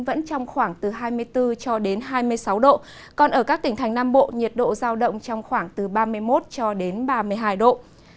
vẫn trong khoảng từ hai mươi bốn hai mươi sáu độ còn ở các tỉnh thành nam bộ nhiệt độ giao động trong khoảng từ ba mươi một ba mươi hai độ